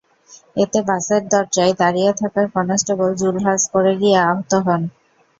এতে বাসের দরজায় দাঁড়িয়ে থাকা কনস্টেবল জুলহাস পড়ে গিয়ে আহত হন।